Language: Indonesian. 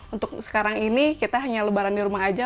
untuk sekarang ini kita hanya lebaran di rumah aja